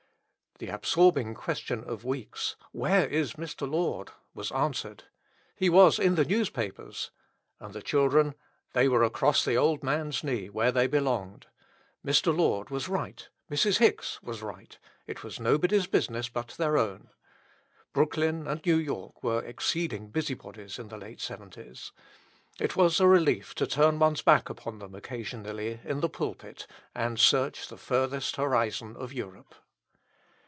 The absorbing question of weeks, "Where is Mr. Lord?" was answered. He was in the newspapers and the children? they were across the old man's knee, where they belonged. Mr. Lord was right. Mrs. Hicks was right. It was nobody's business but their own. Brooklyn and New York were exceeding busy bodies in the late 'seventies. It was a relief to turn one's back upon them occasionally, in the pulpit, and search the furthest horizon of Europe.